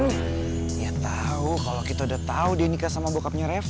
dia tahu kalau kita udah tahu dia nikah sama bokapnya rev